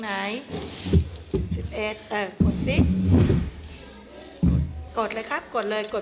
เสียงจากการสกดคำที่ได้ยินอยู่นี้